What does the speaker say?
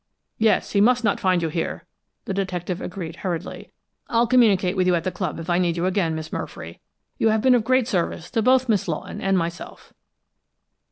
"Yes, he must not find you here!" the detective agreed hurriedly. "I'll communicate with you at the club if I need you again, Miss Murfree. You have been of great service to both Miss Lawton and myself."